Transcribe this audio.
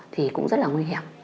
thì cũng rất là nguy hiểm